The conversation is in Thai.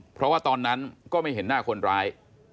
เพราะว่าตอนนั้นก็ไม่เห็นหน้าคนร้าย